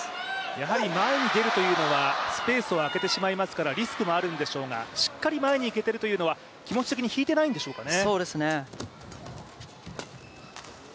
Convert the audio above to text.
やはり前に出るというのはスペースをあけてしまいますから、リスクもあるんでしょうがしっかり前に行けてるというのは気持ち的に引いていないんでしょうかね。